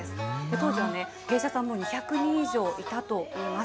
当時は芸者さんも２００人以上いたといいます。